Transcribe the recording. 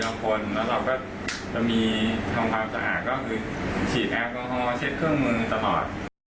แล้วคนแล้วเราก็จะมีทำความสะอาดก็คือฉีดแอลกอฮอลเช็ดเครื่องมือตลอด